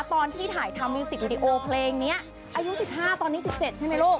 ตอนที่ถ่ายทำมิวสิกวิดีโอเพลงนี้อายุ๑๕ตอนนี้๑๗ใช่ไหมลูก